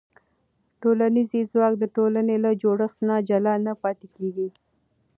ټولنیز ځواک د ټولنې له جوړښت نه جلا نه پاتې کېږي.